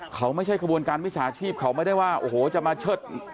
เขาไม่ใช่ขบวนการวิชาชีพเขาไม่ได้ว่าโอ้โหจะมาเชิด